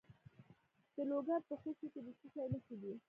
د لوګر په خوشي کې د څه شي نښې دي؟